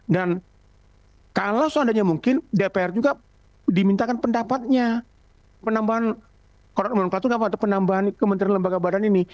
dan kalau seandainya mungkin dpr juga dimintakan pendapatnya penambahan kalau menurut pak tunggak penambahan kementerian lembaga badan ini